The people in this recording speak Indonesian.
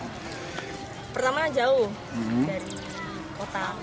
kedua lebih ke katanya yang terbesar disini kan